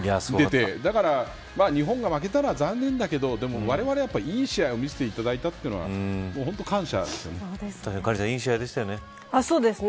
だから日本が負けたのは残念だけどわれわれは、いい試合を見せていただいたというのは本当に感謝ですね。